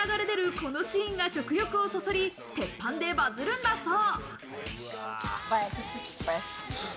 このシーンが食欲をそそり、鉄板でバズるんだそう。